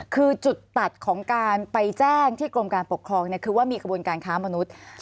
คือจุดตัดของการไปแจ้งที่กรมการปกครองคือว่ามีกระบวนการค้ามนุษย์